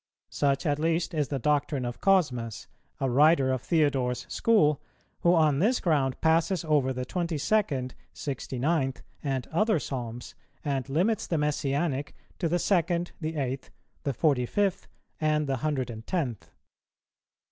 Such at least is the doctrine of Cosmas, a writer of Theodore's school, who on this ground passes over the twenty second, sixty ninth, and other Psalms, and limits the Messianic to the second, the eighth, the forty fifth, and the hundred and tenth.